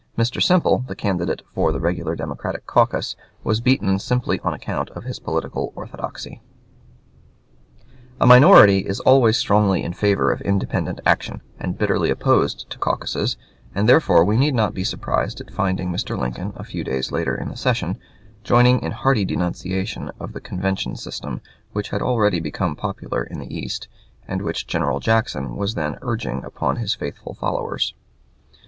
Mr. Semple, the candidate for the regular Democratic caucus, was beaten simply on account of his political orthodoxy. A minority is always strongly in favor of independent action and bitterly opposed to caucuses, and therefore we need not be surprised at finding Mr. Lincoln, a few days later in the session, joining in hearty denunciation of the convention system, which had already become popular in the East, and which General Jackson was then urging upon his faithful followers.